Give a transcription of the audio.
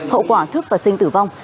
hậu quả thức và sinh tử vong